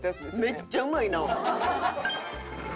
めっちゃうまいな！